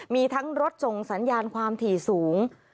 มีทั้งรถส่งสัญญาณความถี่สูง